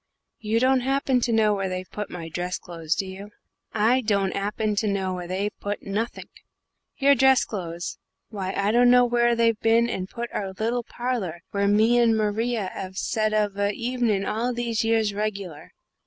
You don't happen to know where they've put my dress clothes, do you?" "I don't 'appen to know where they've put nothink. Your dress clothes? Why, I dunno where they've bin and put our little parler where me and Maria 'ave set of a hevenin' all these years regular.